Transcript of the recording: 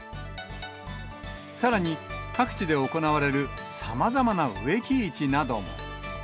さらに、各地で行われるさまざまな植木市なども。